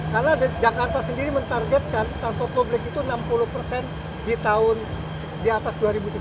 karena jakarta sendiri mentargetkan tangkau publik itu enam puluh persen di tahun di atas dua ribu tiga puluh